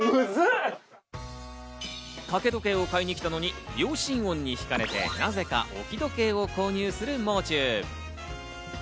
掛け時計を買いに来たのに、秒針音にひかれて、なぜか置き時計を購入する、もう中。